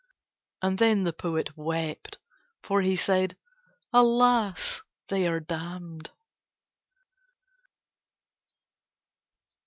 And then the poet wept for he said: "Alas! They are damned."